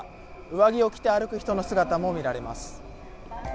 上着を着て歩く人の姿も見られます。